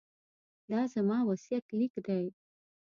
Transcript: دا زما وصیت لیک دی.